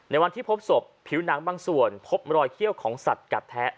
วันที่พบศพผิวหนังบางส่วนพบรอยเขี้ยวของสัตว์กัดแทะ